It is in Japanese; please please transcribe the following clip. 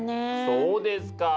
そうですか。